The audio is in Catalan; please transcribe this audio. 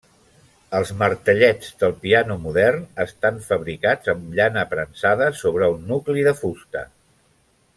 Els martellets del piano modern estan fabricats amb llana premsada sobre un nucli de fusta.